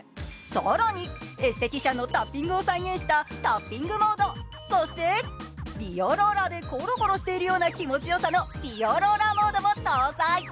更にエステティシャンのタッピングを再現したタッピングモードそして美容ローラーでコロコロしているような気持ちよさの美容ローラーモードも搭載。